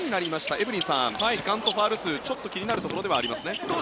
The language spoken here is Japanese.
エブリンさん、時間とファウル数ちょっと気になるところではありますね。